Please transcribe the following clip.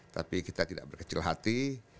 tapi kita tidak berkecil hati